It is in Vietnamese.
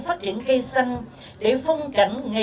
chú ý trồng cây gây rừng